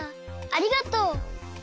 ありがとう。